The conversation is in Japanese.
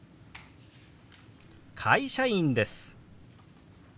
「会社員です」。